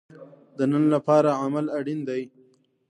د نن لپاره عمل اړین دی